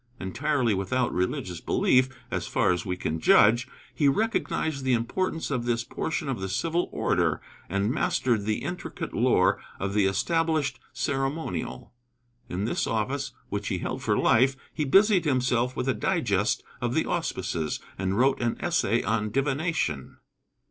Entirely without religious belief, as far as we can judge, he recognized the importance of this portion of the civil order, and mastered the intricate lore of the established ceremonial. In this office, which he held for life, he busied himself with a Digest of the Auspices and wrote an essay on Divination.